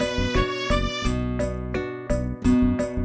eh eh siapa kalian